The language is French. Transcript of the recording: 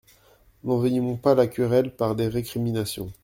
N'envenimons pas la querelle par des récriminations.